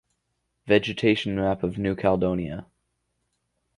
Vegetation map of New Caledonia.